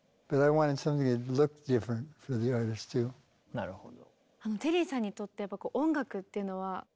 なるほど。